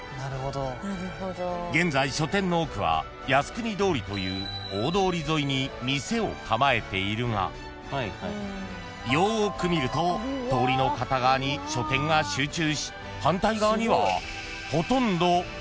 ［現在書店の多くは靖国通りという大通り沿いに店を構えているがよく見ると通りの片側に書店が集中し］